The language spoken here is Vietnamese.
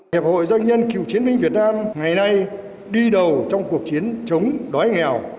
hiệp hội doanh nhân cựu chiến binh việt nam ngày nay đi đầu trong cuộc chiến chống đói nghèo